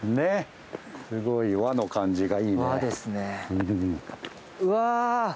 すごい和の感じがいいね。